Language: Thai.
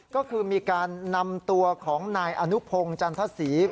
ก็คือมีการนำตัวของนายอนุพงศ์จันทศรี